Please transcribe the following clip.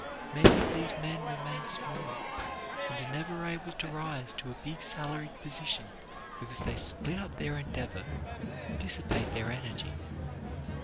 Many of these men remain small, and are never able to rise to a big salaried position because they split up their endeavor, dissipate their energy.